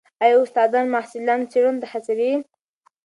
ایا استادان محصلان څېړنو ته هڅوي؟